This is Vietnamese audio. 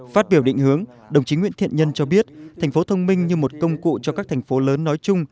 phát biểu định hướng đồng chí nguyễn thiện nhân cho biết thành phố thông minh như một công cụ cho các thành phố lớn nói chung